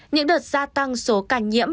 những đợt gia tăng số ca nhiễm